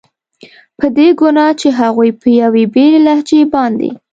په دې ګناه چې هغوی په یوې بېلې لهجې باندې.